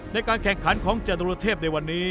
ในการแข่งขันของจตุรเทพในวันนี้